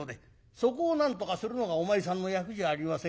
「そこをなんとかするのがお前さんの役じゃありませんか。